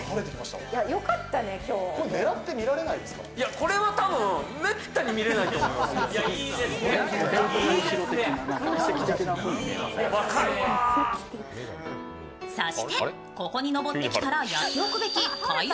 これは多分めったに見れないと思いますよ。